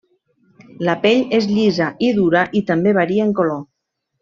La pell és llisa i dura i també varia en color.